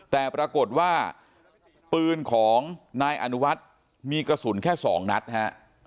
แต่ปรากฏว่าปืนของนายอนุวัฒน์มีกระสุนแค่สองนัดฮะ